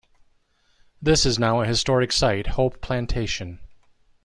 This is now a historic site, Hope Plantation.